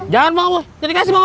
jangan bang jadi kasih bang